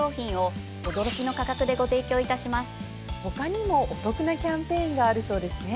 他にもお得なキャンペーンがあるそうですね。